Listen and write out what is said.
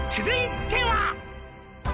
「続いては」